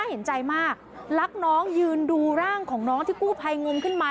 เห็นใจมากรักน้องยืนดูร่างของน้องที่กู้ภัยงมขึ้นมา